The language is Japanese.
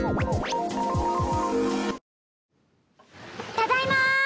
ただいま。